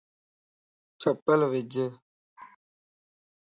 چپل وج